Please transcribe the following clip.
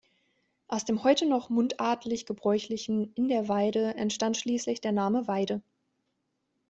Aus dem heute noch mundartlich gebräuchlichen "In der Weide" entstand schließlich der Name Weide.